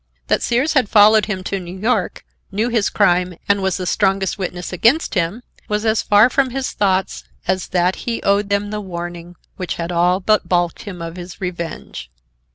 That Sears had followed him to New York, knew his crime, and was the strongest witness against him, was as far from his thoughts as that he owed him the warning which had all but balked him of his revenge.